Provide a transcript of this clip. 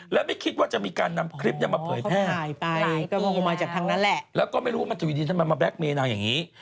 แล้วไม่คิดว่าจะมีการนำคลิปนี้มาเผยแพร่แล้วก็ไม่รู้ว่ามันจะวินดีทำไมมาแบล็คเมย์นางอย่างนี้